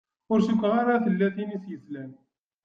Ur cukkeɣ ara tella tin i s-yeslan.